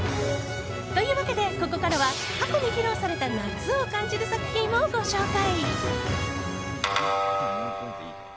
というわけで、ここからは過去に披露された夏を感じる作品をご紹介。